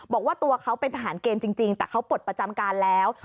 บอกว่าตัวเขาเป็นทหารเกณฑ์จริงแต่เขาปลดประจำการแล้ว